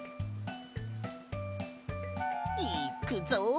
いっくぞ！